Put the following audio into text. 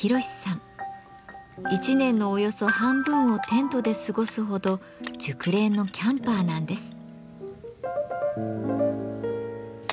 １年のおよそ半分をテントで過ごすほど熟練のキャンパーなんです。